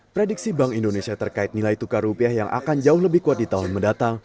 prediksi bank indonesia terkait nilai tukar rupiah yang akan jauh lebih kuat di tahun mendatang